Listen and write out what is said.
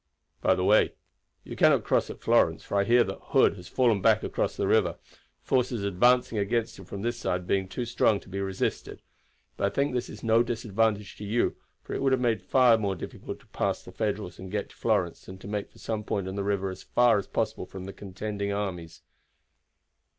"By the way, you cannot cross at Florence, for I hear that Hood has fallen back across the river, the forces advancing against him from this side being too strong to be resisted. But I think that this is no disadvantage to you, for it would have been far more difficult to pass the Federals and get to Florence than to make for some point on the river as far as possible from the contending armies."